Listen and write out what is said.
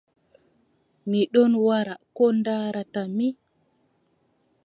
Mi ɗon wara ko ndaarataa mi ?